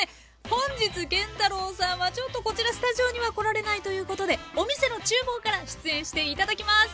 本日建太郎さんはちょっとこちらスタジオには来られないということでお店の厨房から出演して頂きます。